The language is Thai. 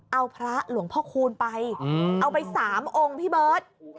เอาพระหลวงพ่อคูณไปเอาไป๓องค์พี่เบิร์ต